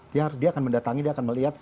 dia akan mendatangi dia akan melihat